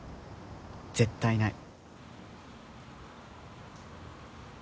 絶対ない。